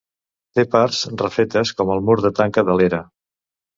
Té parts refetes com el mur de tanca de l'era.